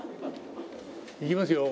いきますよ。